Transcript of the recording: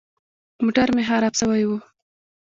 موټر مې خراب سوى و.